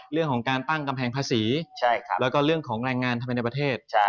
เรื่องของการตั้งกำแพงภาษีแล้วก็เรื่องของแรงงานทำไมในประเทศ